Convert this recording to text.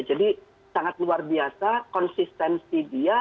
jadi sangat luar biasa konsistensi dia